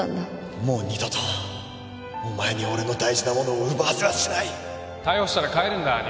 もう二度とお前に俺の大事なものを奪わせはしない逮捕したら帰るんだ？